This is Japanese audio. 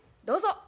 どうぞ。